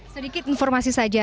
sedikit informasi saja